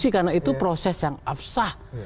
karena itu proses yang absah